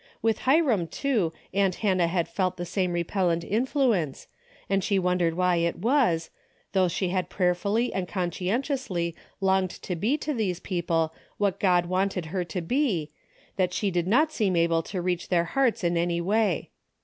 With Hiram too, aunt Hannah had felt the same repellent influence and she wondered why it was, though she had prayer fully and conscientiously longed to be to these people what God wanted her to be, that she did not seem able to reach their hearts in any way.